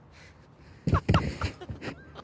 ハハハハ！